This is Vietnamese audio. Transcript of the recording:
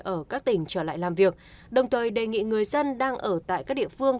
ở các tỉnh trở lại làm việc đồng thời đề nghị người dân đang ở tại các địa phương